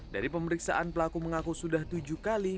dari pemeriksaan pelaku mengaku sudah tujuh kali